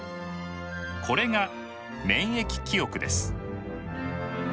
これが「免疫記憶」です。